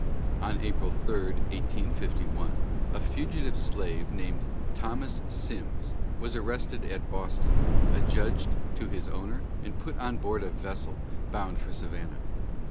On April 3, 1851, a fugitive slave named Thomas Sims was arrested at Boston, adjudged to his owner, and put on board a vessel bound for Savannah.